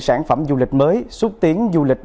sản phẩm du lịch mới xúc tiến du lịch